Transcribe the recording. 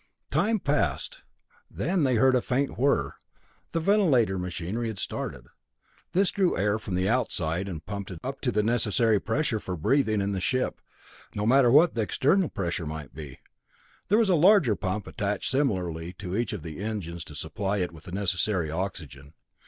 Time passed then they heard a faint whir; the ventilator machinery had started. This drew air in from outside, and pumped it up to the necessary pressure for breathing in the ship, no matter what the external pressure might be. There was a larger pump attached similarly to each of the engines to supply it with the necessary oxygen.